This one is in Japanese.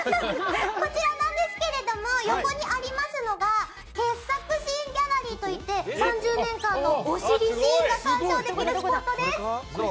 こちらなんですけど横にありますのがケッさくシーンギャラリーといって、３０年間のお尻シーンが鑑賞できるスポットです。